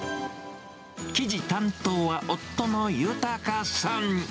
生地担当は夫の裕さん。